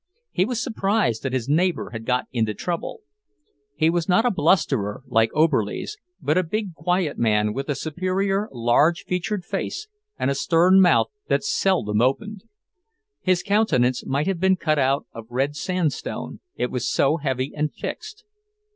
He was surprised that his neighbour had got into trouble. He was not a blusterer, like Oberlies, but a big, quiet man, with a serious, large featured face, and a stern mouth that seldom opened. His countenance might have been cut out of red sandstone, it was so heavy and fixed.